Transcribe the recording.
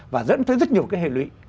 và dẫn tới rất nhiều cái hệ lị